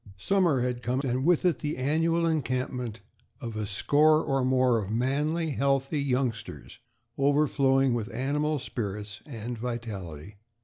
Summer had come and with it the annual encampment of a score or more of manly, healthy youngsters, overflowing with animal spirits and vitality.